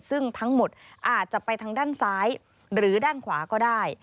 ซึ่งทั้งหมดอาจจะไปทางด้านซ้ายหรือด้านขวาก็ได้